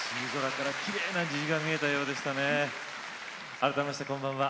改めましてこんばんは。